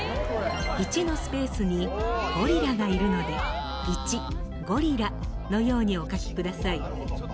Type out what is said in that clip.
１のスペースにゴリラがいるので「１ゴリラ」のようにお書きください。